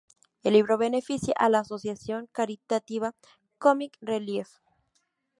El libro beneficia a la asociación caritativa Comic Relief.